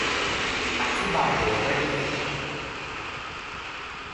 อธิบายโดยละเอียด